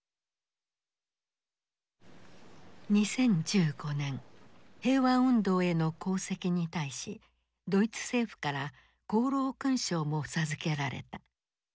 ２０１５年平和運動への功績に対しドイツ政府から功労勲章も授けられた。